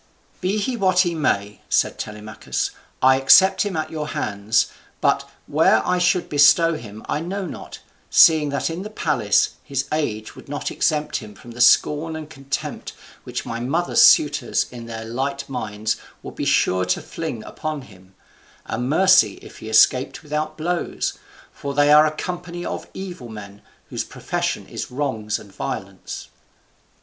"Be he what he may," said Telemachus, "I accept him at your hands. But where I should bestow him I know not, seeing that in the palace his age would not exempt him from the scorn and contempt which my mother's suitors in their light minds would be sure to fling upon him: a mercy if he escaped without blows; for they are a company of evil men, whose profession is wrongs and violence."